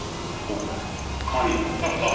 北海道とかですか？